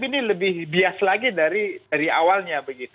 ini lebih bias lagi dari awalnya begitu